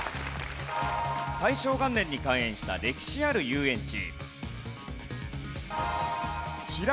大正元年に開園した歴史ある遊園地。